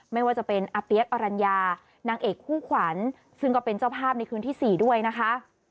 ไม่ว่าจะเป็นอาเปี๊ยกอรัญญานางเอกคู่ขวัญซึ่งก็เป็นเจ้าภาพในคืนที่๔ด้วยนะคะ